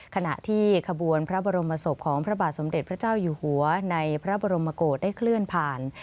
ขณะที่ขบวนพระบรมศพของพระบาทสมเด็จพระเจ้าอยู่หัวในพระบรมโกศได้เคลื่อนผ่าน